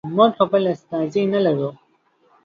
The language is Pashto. موږ خپل استازی نه لرو.